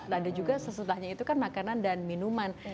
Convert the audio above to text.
ada juga sesudahnya itu kan makanan dan minuman